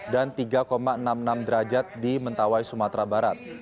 dan tiga enam puluh enam derajat di mentawai sumatera barat